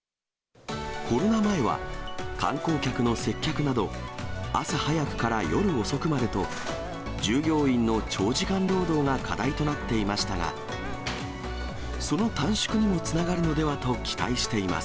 コロナ前は観光客の接客など、朝早くから夜遅くまでと、従業員の長時間労働が課題となっていましたが、その短縮にもつながるのではと期待しています。